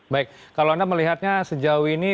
baik kalau anda melihatnya sejauh ini